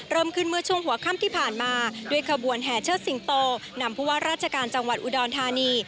เริ่มขึ้นเมื่อช่วงหัวค่ำที่ผ่านมาด้วยขบวนแห่เชิดสิงโตนำผู้ว่าราชการจังหวัดอุดรธานี